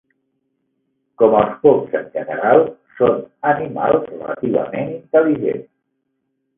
Com els pops en general, són animals relativament intel·ligents.